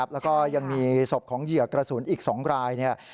แล้วก็ยังมีศพของเหยื่อกระสุนอีก๒ราย